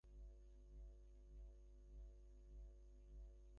গেরস্ত যদি কেউ হয় তো যেন নাগ-মহাশয়ের মত হয়।